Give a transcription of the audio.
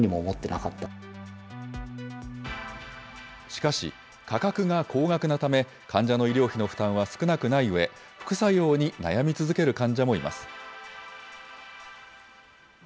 しかし、価格が高額なため、患者の医療費の負担は少なくないうえ、副作用に悩み続ける患者もいます。